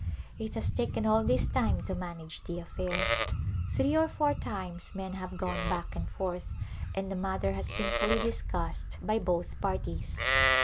It has taken all this time to man age the affair. Three or four times men have gone back and forth and the matter has been fully discussed by both parties.